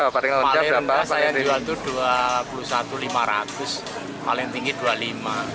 paling mbak saya jual itu rp dua puluh satu lima ratus paling tinggi rp dua puluh lima